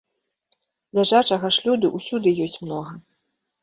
Ляжачага ж люду усюды ёсць многа!